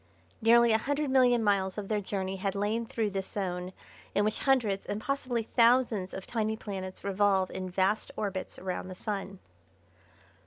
Nearly a hundred million miles of their journey had lain through this zone in which hundreds and possibly thousands of tiny planets revolve in vast orbits round the Sun.